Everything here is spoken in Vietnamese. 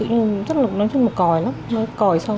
hiện đang nuôi hai con nhỏ